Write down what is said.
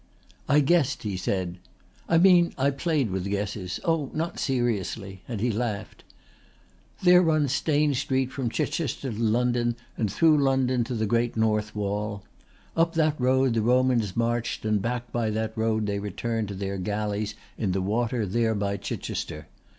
"I guessed," he said. "I mean I played with guesses oh not seriously," and he laughed. "There runs Stane Street from Chichester to London and through London to the great North Wall. Up that road the Romans marched and back by that road they returned to their galleys in the water there by Chichester.